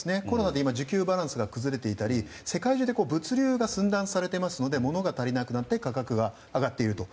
コロナで自給バランスが崩れていたり世界中で物流が寸断されていますのでものが足りなくなって価格が上がっている。